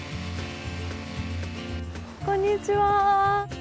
こんにちは。